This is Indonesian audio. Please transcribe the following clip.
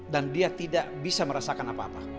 dan dia tidak bisa merasakan apa apa